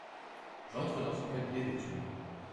J’entre dans son cabinet d’étude…